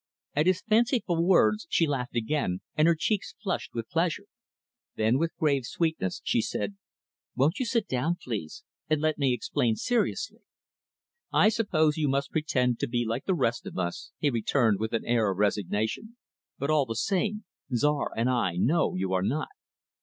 At his fanciful words, she laughed again, and her cheeks flushed with pleasure. Then, with grave sweetness, she said, "Won't you sit down, please, and let me explain seriously?" "I suppose you must pretend to be like the rest of us," he returned with an air of resignation, "but all the same, Czar and I know you are not."